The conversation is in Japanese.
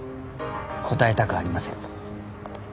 答えたくありません。